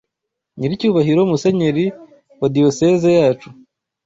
Nyiricyubahiro Musenyeri wa diyoseze yacu